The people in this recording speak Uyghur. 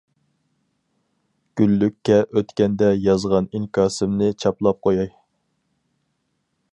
گۈللۈككە ئۆتكەندە يازغان ئىنكاسىمنى چاپلاپ قوياي.